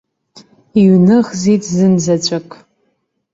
Иҩныӷзит зынзаҵәык.